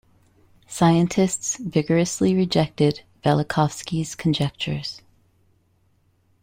Scientists vigorously rejected Velikovsky's conjectures.